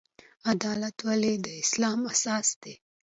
عدالت ولې د اسلام اساس دی؟